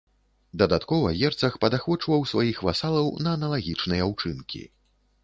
Дадаткова герцаг падахвочваў сваіх васалаў на аналагічныя ўчынкі.